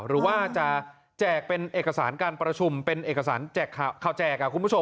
หรือว่าจะแจกเป็นเอกสารการประชุมเป็นเอกสารข่าวแจกคุณผู้ชม